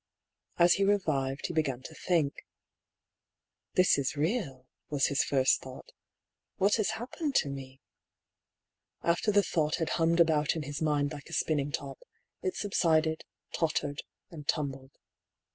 As he revived he began to think. " This is real," was his first thought. " What has happened to me ?" After the thought had hummed about in his mind like a spinning top, it subsided, tottered, and tumbled.